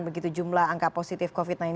begitu jumlah angka positif covid sembilan belas